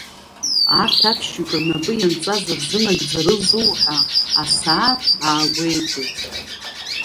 Арҭ аԥшь-ҩык рнапы ианҵаз рзынагӡарызу ҳәа асааҭ аагәеиҭеит…